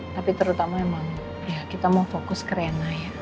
tapi terutama memang ya kita mau fokus ke rena ya